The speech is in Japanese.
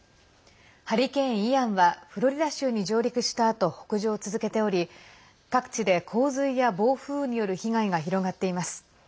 ハリケーン、イアンはフロリダ州に上陸したあと北上を続けており各地で洪水や暴風雨による被害が広がっています。